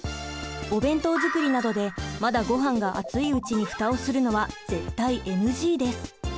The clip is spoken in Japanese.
お弁当づくりなどでまだごはんが熱いうちにフタをするのは絶対ＮＧです。